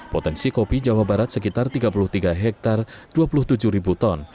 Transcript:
potensi kopi jawa barat sekitar tiga puluh tiga hektare dua puluh tujuh ribu ton